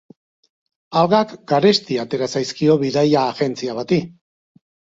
Algak garesti atera zaizkio bidaia agentzia bati.